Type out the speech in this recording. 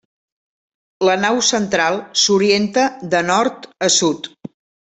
La nau central s'orienta de Nord a sud.